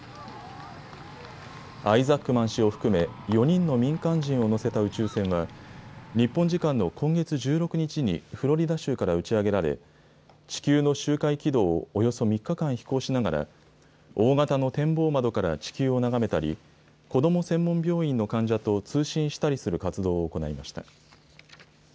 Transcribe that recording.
アイザックマン氏を含め、４人の民間人を乗せた宇宙船は、日本時間の今月１６日にフロリダ州から打ち上げられ、地球の周回軌道をおよそ３日間飛行しながら、大型の展望窓から地球を眺めたり、子ども専門病院の患者と通信したりする活動を行いました。